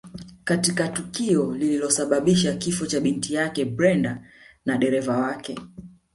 Katika tukio lililosababisha kifo cha binti yake Brenda na dereva wake